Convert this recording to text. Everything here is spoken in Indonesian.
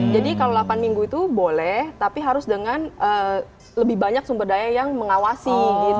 jadi kalau delapan minggu itu boleh tapi harus dengan lebih banyak sumber daya yang mengawasi